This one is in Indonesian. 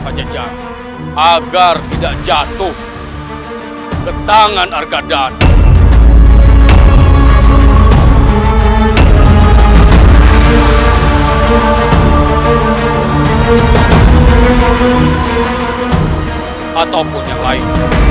agar tidak jatuh ke tangan argadhan ataupun yang lain